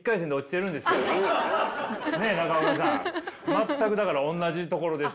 全くだからおんなじところです